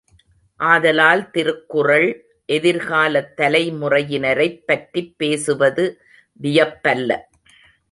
ஆதலால் திருக்குறள் எதிர்காலத் தலைமுறையினரைப் பற்றிப் பேசுவது வியப்பல்ல.